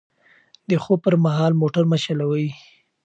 د خوب پر مهال موټر مه چلوئ.